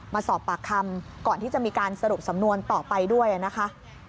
มาสอบปากคำก่อนที่จะมีการสรุปสำนวนต่อไปด้วยนะคะ